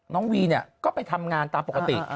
น้องวีนี่ก็ไปทำงานตามปกติ